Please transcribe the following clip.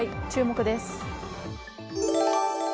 注目です。